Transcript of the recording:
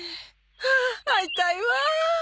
ああ会いたいわ。